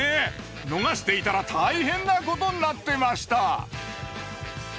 逃していたら大変なことになってました。